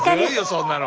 そんなの。